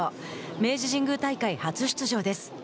明治神宮大会、初出場です。